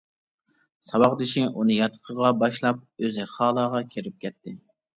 ساۋاقدىشى ئۇنى ياتىقىغا باشلاپ، ئۆزى خالاغا كىرىپ كەتتى.